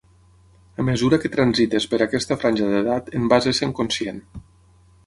A mesura que transites per aquesta franja d’edat en vas essent conscient.